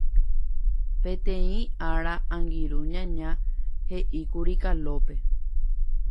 Peteĩ ára angirũ ñaña he'íkuri Kalópe.